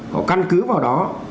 họ căn cứ vào đó